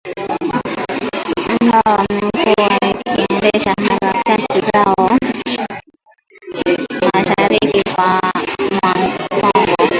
ambao wamekuwa wakiendesha harakati zao mashariki mwa Kongo